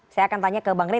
saya akan tanya ke bang rey